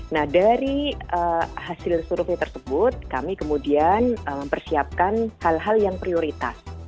nah dari hasil survei tersebut kami kemudian mempersiapkan hal hal yang prioritas